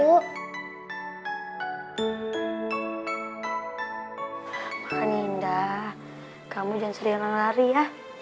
makasih indah kamu jangan sering lari lari ya